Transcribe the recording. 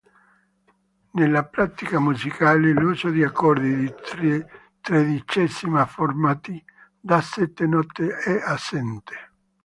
Nella pratica musicale l'uso di accordi di tredicesima formati da sette note è assente.